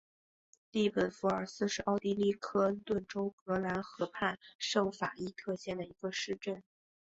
利本弗尔斯是奥地利克恩顿州格兰河畔圣法伊特县的一个市镇。